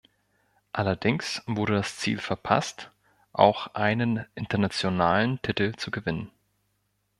Allerdings wurde das Ziel verpasst auch einen internationalen Titel zu gewinnen.